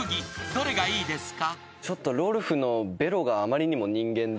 ［どれがいいですか？］